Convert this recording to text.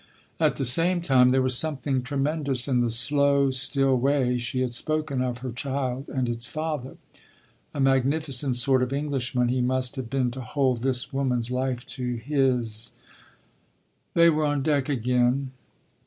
At the same time there was something tremendous in the slow, still way she had spoken of her child and its father. A magnificent sort of Englishman he must have been to hold this woman’s life to his.... They were on deck again.